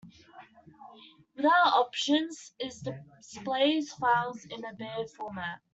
Without options, ls displays files in a bare format.